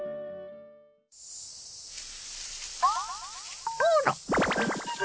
あら。